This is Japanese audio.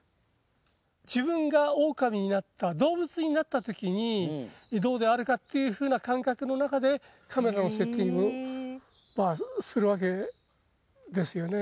自分がオオカミになった動物になったときにどうであるかっていうふうな感覚の中でカメラのセッティングはするわけですよね